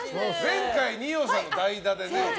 前回、二葉さんの代打でね。